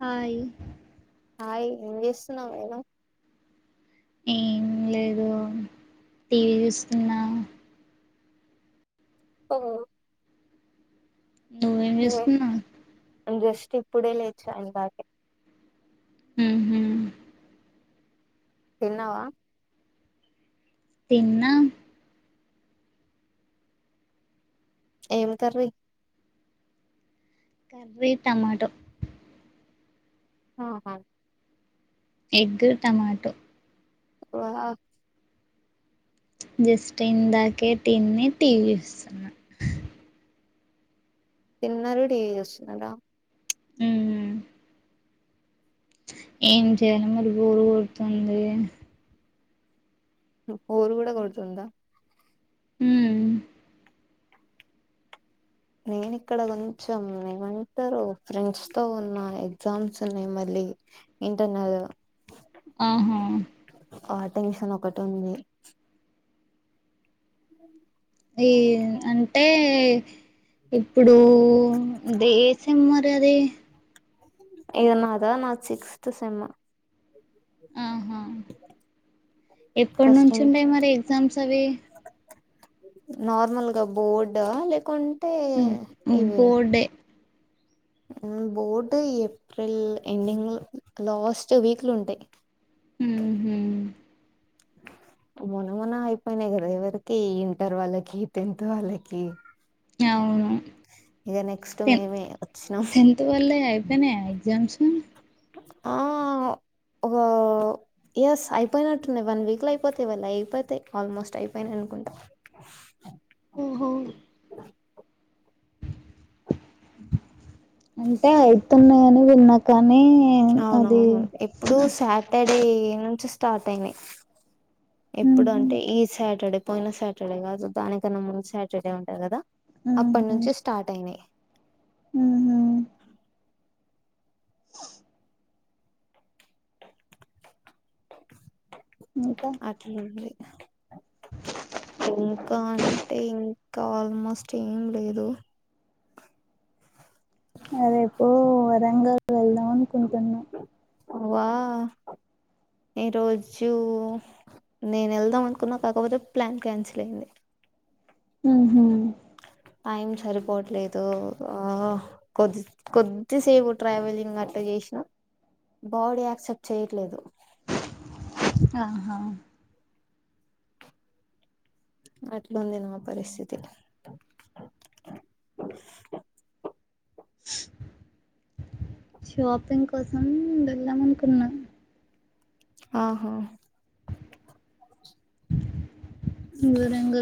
Hi hi ఏం చేస్తున్నవ్ [inaudible] ఏం లేదు టీవీ చూస్తున్నా ఓ నువ్వు ఏం చేస్తున్నా అ జస్ట్ ఇప్పుడే లేచ ఇందాకే హ్ మ్ తిన్నావా తిన్న ఏం కర్రీ కర్రీ టమాటో ఆహా ఎగ్, టమాటో వా జస్ట్ ఇందాకే తిని టీవీ చూస్తున్న తిన్నారు టీవి చేస్తునన్నారా హ్మ్ ఏం చేయాలి మరి బోరు కొడుతుంది. బోరు గుడ కొడుతుందా హ్మ్ నేన్ ఇక్కడ కొంచం ఏమంటారు ఫ్రెండ్స్ తో ఉన్న ఎగ్జామ్స్ ఉన్నాయి మళ్ళీ ఇంటర్నల్ ఆహా ఆ టెన్షన్ ఒకటుంది. ఈ అంటే ఇప్పుడు దే సెమ్ మరదే ఇది నాదా నాద్ సిక్స్త్ సెమ్ ఫస్ట్ ఎప్పట్నుంచ్ ఉంటయి ఇంటర్. మరి ఎగ్జామ్స్ అవి నార్మల్గా బోర్డ లేకుం బోర్డే మ్ బోర్డ్ ఏప్రిల్ ఎండింగ్లో లాస్ట్ వీక్లుంటయి. హ్ హ్ మొన్న మొన్న అయిపోయినయి గదా ఎవరికి ఇంటర్ వాళ్ళకి టెన్త్ వాళ్ళకి అవును ఇగ నెక్స్ట్ మేమే వచ్చినం అయిపోయినా ఎగ్జామ్స్ ఆ ఒక ఎస్ అయిపోయినట్టుంది వన్ వీక్ల అయిపోతయి వాళ్ళయి అయిపోతాయి ఆల్మోస్ట్ అయిపోయినయి అనుకుంటా ఓహో అంటే అయితున్నయి అని విన్నా కాని అవునవును ఎప్పుడు సాటర్ డే నుంచి స్టార్ట్ అయినయి ఎప్పుడూ ఉహు అంటే ఈ సాటర్డే పోయిన సాటర్డే కాదు దానికన్నా ముందు సాటర్డే ఉంటంది కదా అప్పటి ఉహు నుంచి స్టార్ట్ అయినయి ఉహు ఇంకా అట్లుంది. ఇంకా అంటే ఇంకా ఆల్మోస్ట్ ఏం లేదు రేపు వరంగల్ వెళ్దాం అనుకుంటున్నా అ వా ఈరోోజు నేను వెళ్దాం అనుకున్నా కాకపోతే ప్లాన్ క్యాన్సిల్ అయింది హహ టైం సరిపోవట్లేదు కొద్ది కొద్దిసేపు ట్రావెలింగ్ అట్టలా చేసినా బాడీ యాక్సెప్ట్ చేయట్లేదు ఆహా అట్లుంది నా మా పరిస్థితిలో షాపింగ్ కోసం వెళ్ళాం అనుకున్నా ఆహా వివరంగ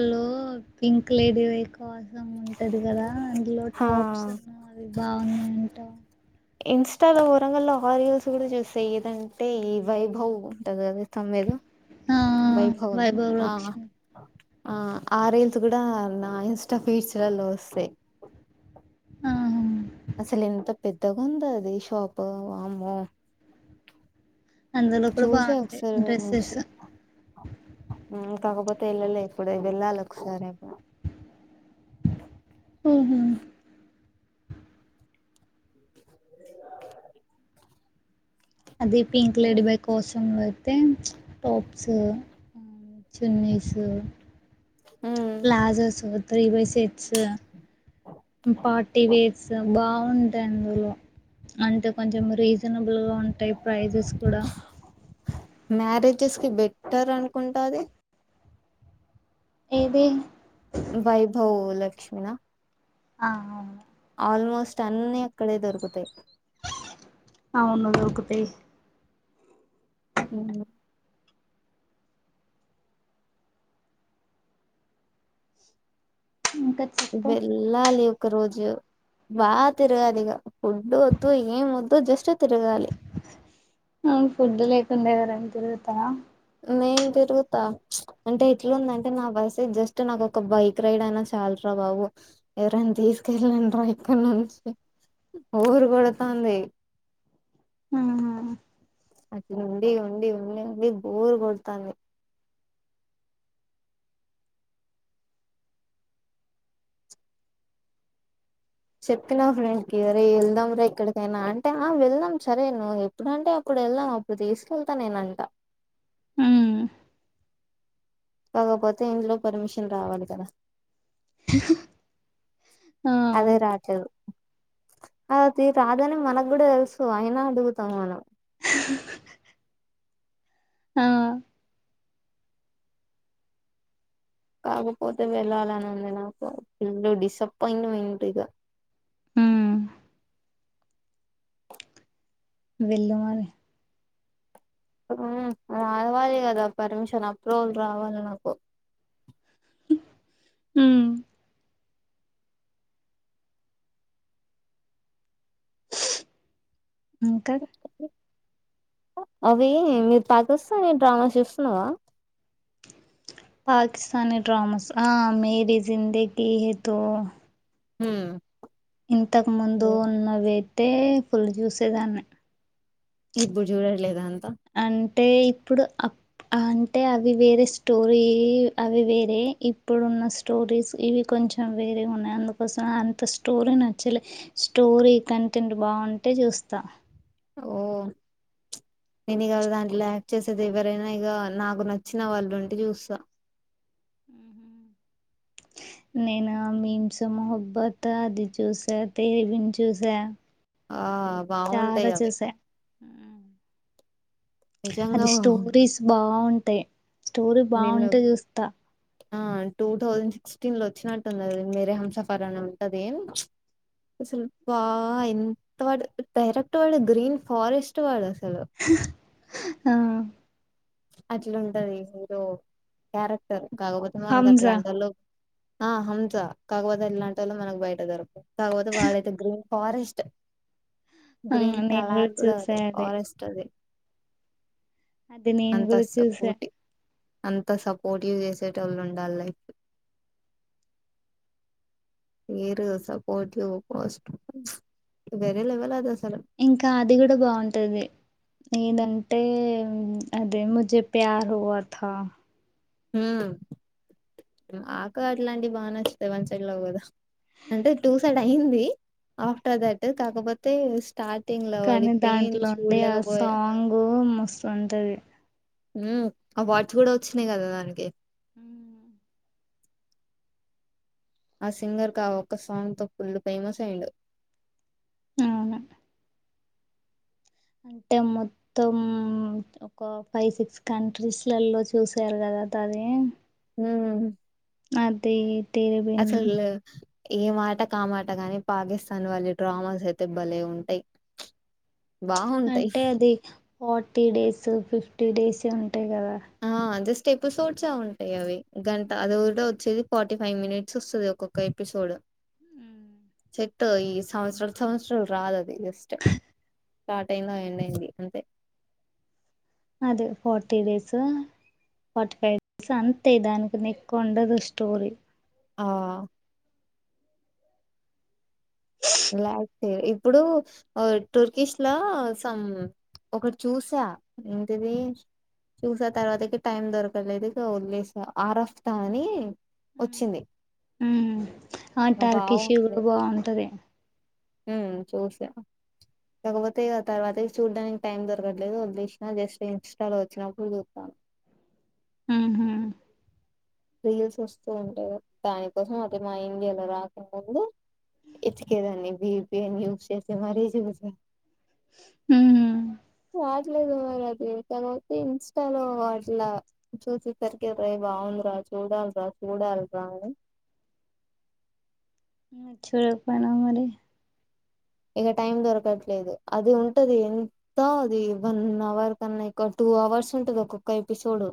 పింక్ లేడీ వైకో కోసం ఉంట పట్టాడు కదా అందులో హా టాప్స్ ఉన్నా అది బాగుంది అంట ఇన్స్టాలో వరంగల్లో ఆ రీయల్స్ కూడా చూసాయి ఏదంటే ఈ వైభవ్ ఉంటది కద త మీద ఆ వైభవను వైభవ ఆ లక్ష్మి ఆ ఆ రేల్స్ కూడా నా ఇంస్టా ఫీచర్లలో వస్తాయి ఆా అసలు ఎంత పెద్దగా ఉంద అది షాపు వామో అందులో కూడా బాగుంటాయి డ్రెస్సెస్ నుంచి మ్మ్ కాకపోతే వెళ్ళలే ఇప్పుడు వెళ్ళాలి ఒకసారిే ఓహో [inaudible] అది పింక్ లేడీ బై కోసం తే టొప్స్ చెన్నైసు మ్మ్ ్లాజ స ర వైసేట్స్ పార్టీ వేర్స్ బాగుంటాయి అందులో అంటే కొంచెం రీజనబుల్ గా ఉంటాయి ప్రైజెస్ కూడా పచెస్ కి బెట్టర్ అనుకుంటుది ఏదే వైభవ్ లక్ష్మ నా ఆ ఆల్మోస్ట్ అన్నిీ అక్కడే దొరుకుతాయి అవును దకుతే ఉ ఇంకా చెప్పు ఇ్వలా లే ఒక రోజు బాగా తిరగాదు ఇక ఫుడ్ వద్దు ఏం వద్దు జస్ట్ తిరగాలి ఫుడ్ లేకుండేవరండి తరుగుతల నేను తిరుగుతా అంటే ఎట్లాందంటే నా పస జస్ట్ నాకు ఒక బైక్ రైడ్ అయినా చాలరా బాబు ఎవరైనా తీసుకెళ్ళను రా ఇక్కడి నుంచి ఊరు కొడుతుంది ఆా అది నుండి ఉండి ఉండడి ఉండి బోర్ గడ్తాను చెప్పినా ఫ్రెండ్కి రే వెదాం ర ఎక్కడికైనా అంటే వెళ్దాం సరే నువ్వు ఎప్పుడుంటే అప్పుడు వెళ్దాం అప్పుడు తీసుకెళ్తా నేన అంట హ కాకపోతే ఇంట్లో పర్మిషన్ రావాలి కదా ఆ అదే రాటదు అలా తీ రాదని మనకు కూడా తెలుసు అయినా అడుగుతాం మనం ఆ కాకపోతే వెళ్ళాలని ఉంది నాకు ఇల్లు డిసప్పాయింట్ అట్ ఇక ఉమ్ వెళ్ళు మరి రావాలి కదా పర్మిషన్ అప్రూవల్ రావాలి నాకు అ ఇంకా అవి మీరు పాకిస్తాని డ్రామా చూస్తున్నావా పాకిస్తనీ డ్రామస్ మేరి జిందీతో హ ఇంతకు ముందు నవే అంటే ఫుల్ జ్యూసేదాన్ని ఇప్పుడు చూడట్లేదా అంతా అంటే ఇప్పుడు అంటే అవి వేరే స్టోరీ అవి వేరే ఇప్పుడున్న స్టోరీస్ ఇవి కొంచెం వేరే ఉన్నాయి అందుకోసం అంత స్టోరీ నచ్చలే స్టోరీ కంటెంట్ బాగుంటే చూస్తా ఓ నేను కదా దాంట్లో యాక్ చేసేది ఎవరైనా ఇక నాకు నచ్చిన వాళ్ళు ఉంటే చూస్తా నేను మీంస మహబ్బత్ అది చూసా తెలివిని చూసా ఆ చాలా బాగుంటాయి అవి చూసా నిజంగా అది బాగుంటాయి. స్టోరీస్ బాగుంటా ంత స్టోరీ నిన్ను బాగుంటే చూస్తా ఆ టూ థౌజండ్ సిక్స్టీన్ లో వచ్చినట్టుందిది మీరే హంసఫర్ అని ఉంటుది ఏం అసలు బాగా ఎంత వాడు డైరెక్ట్ వాడు గ్రీన్ ఫారెస్ట్ వాడు సలో ఆ అట్లాంటది మీద క్యారెక్టర్ కాకపోతే మనకు హంజా అట్లాంటి వాళ్ళు ఆ హంసా కాకపోతేల్లాట వాలో మనకు బయట జరకు కాగోదు బాళే దగ్గ ఫారెస్ట్ ఆ నేను కూడా గ్రీన్లాాల చూసా అదే ఫారెస్ట్ అది అదే నేను అంత కూడా చూసా సపోర్టి అంత సపోర్టివ్ చేసేట వాళ్ళు ఉండాలి లైఫ్ మీరు సపోర్టి్ పోస్ట్ వేరే లెవెల్ అది అసలు ఇంకా అది కూడా బాగుంటది ఏదంటే అదే ముజే ప్యార్ హువా త హ్మ్ ఆక అట్లాంటివి బాగా నచ్చాయి వన్ సైడ్ లవ్ కదా అంట టూ సైడ్ అయింది ఆఫ్టర్ దట్ కాకపోతే స్టార్ట్ కానీ దాంట్లోండడి ఆ సాంగ్ మస్తు ఉంటది ఉ అవార్స్ కూడా వచ్చినాయి కదా దానికి హ్మ్ ఆ సింగర్కి ఒక్క సాంగ్ తో పుల్లు ఫేమస్ అయిండు అవున అంటే మొత్తం ఒక ఫైవ్ సిక్స్ కంట్రీస్లలో చూసరు కదట అది ఉ అది తేరే బిన్ ఏ మాట కా మాట కాగాని పాకిస్తాన్ వాళ్ళ డ్రామాస్ అయితే భలే ఉంటాయి బాగుంటాయి అంటే అది ఫార్టీ డేస్ ఫిఫ్టీ డేస్ ఉ అంటే కదా ఆ జస్ట్ ఎపిసోడ్స్ ఉంటాయి అవి గంట అది ఉ కూడా వచ్చేది ఫార్టీ ఫైవ్ మినిట్స్ వస్తుంది ఒక్కొక్క ఎపిసోడ్ ఈ సంవత్సరలు సంవత్సరలు రాదు అది జస్ట్ స్టార్ట్ అయింద ఎండ్ అయింది అంటే అదే forty days forty five days అంతే దానికి ఎక్కువ ఉండదు స్టోరీ ఆ ఇలా అయితే ఇప్పుడు టూర్కిష్ లో సమ్ ఒకటి చూసా ఏంటిది చూసా తర్వాతకి టైం దొరకలేదు వలేస ఆర్ఫ్తా అని వచ్చింది ఉమ్ ఆ టార్కిషూలు బాగుంటది ఉ చూసాను కాకపోతే తర్వాత చూడ్డానికి టైం దొరకట్లేదు వదిలేసిన జస్ట్ ఇన్స్టాలో వచ్చినప్పుడు చూస్తాను ఉహు రీల్స్ వస్తూ ఉంటాయి దానికోసం అదతే మా ఇండియాలో రాకుడాందు ఇచ్చకేదాన్ని బీపి యూస్ చేస్తే మరీ చూస హ్మ్ రావట్లేదు మరి అది కాకపోతే ఇంస్టాలో అట్లా చూస సరికిేది రా బాగుందిరా చూడాలరా చూడాలరా అని చూడకుపోనా మరి ఇక టైం దొరకట్లేదు అది ఉంటది ఎంత అది వన్ అవర్ కన్నాక్కువ టూ అవర్స్ ఉంటది ఒక్కొక్క ఎపిసోడ్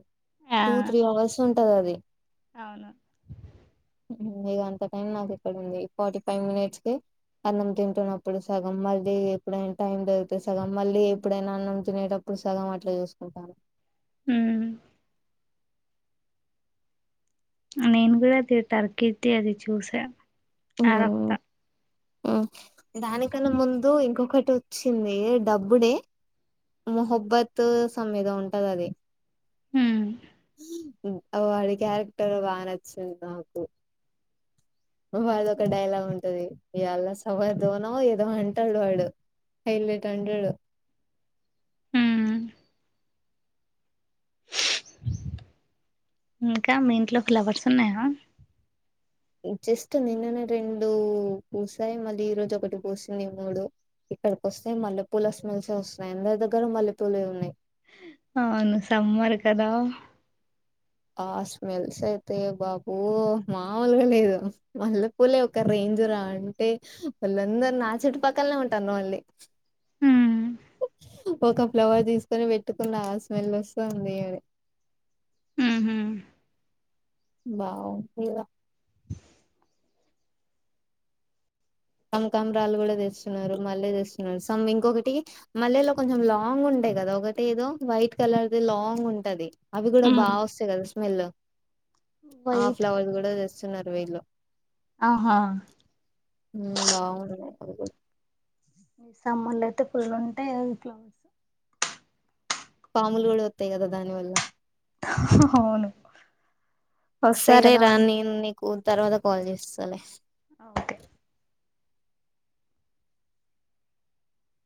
ఆ టూ త్రీ అవర్స్ ఉంట అ అదే అవును ఇక అంత టైం నాకు ఇక్కడ ఉంది ఫార్టీ ఫైవ్ మినిట్స్ కి అన్నం తింటున్నడు ఇప్పుడు సగం మళ్ళీ ఎప్పుడైనా టైం దొరికితే సగం మళ్ళీ ఎప్పుడైనా అన్నం తినేటప్పుడు సగం అట్లా చూసుకుంటాను హ్మ్ నేను కూడా అది తర్కత్ అది చూసా అరఫ్తా దానికన్నా ముందు ఇంకొకటి వచ్చింది డబ్బుడే మహబ్బత్ స మీద ఉంటది అది హ వాడి క్యారెక్టర్ బాగా నచ్చింది నాకు వాడు ఒక డైలాగ్ ఉంటది ఇవాళ సవర్దోనో ఏదో అంటాడు వాడు హైలట్ అంటాడు ఉమ్ ఇంకా మీ ఇంట్లో ఫ్లవర్స్ ఉన్నాయా జస్ట్ నిన్ననే రెండు పూసాయి మళ్ళీ ఈ రోజు ఒకటి పూసింది మూడు ఇక్కడికి వస్తాయి మల్లెపూల స్మెల్స్ వస్తన్నాయి అందరి దగ్గర మల్లెపూలే ఉన్నాయి అవును సమ్మారు కదా ఆ స్మెల్స్ అయితే బాబూ మామూలుగా లేదు మల్లె పూలే ఒక రేంజరా అంటే వాళ్ళందరు నా చుట్టుపక్కలనే ఉంటారు మళ్ళీ ఉమ్ ఒక ఫ్లవర్ తీసుకొని పెట్టుకున్న స్మెల్ వస్తుంది అది ఉహు బా సంమ్ కమరాలు కూడా తెస్తున్నారు మళ్ళీ తెస్తున్నారు సమ్ ఇంకొకటి మళ్ళెలో కొంచెం లాంగ్ ఉంటాయి కదా ఒకటి ఏదో వైట్ కలర్ది లాంగ్ ఉంటది అవి కూడా బా ఉమ్ వస్తాయి కదా వెళ్ల వైట్ కలర్ వీళ్ళు ఆహా బాగుంటయి అ మీ సమ్మర్లు అయితే ఫుల్ ఉంటాయి అ క్లోవర్స్ పాముూలులు వత్తాయి కదా దానివల్ అవును వస్తాయి కదా సరేరా అని నే స్కూల్ తర్వాత కాల్ చేస్తాల ఓకే